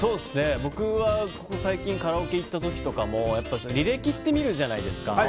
僕はここ最近カラオケに行った時とかも履歴って見るじゃないですか。